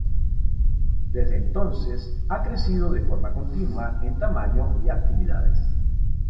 Desde entonces, ha crecido de forma continua en tamaño y actividades.